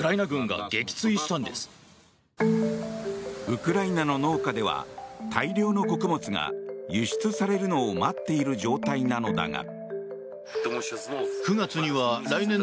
ウクライナの農家では大量の穀物が輸出されるのを待っている状態なのだが。